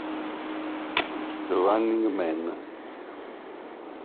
The Running Man